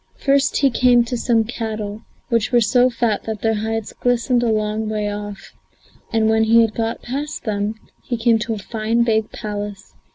First he came to some cattle, which were so fat that their hides glistened a long way off, and when he had got past them he came to a fine, big palace.